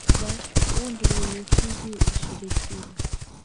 Pia kundi liliahidi ushirika